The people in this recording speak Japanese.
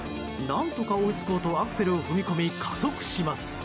何とか追いつこうとアクセルを踏み込み加速します。